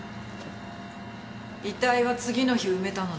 遺体は次の日埋めたのね。